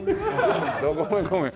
ごめんごめん。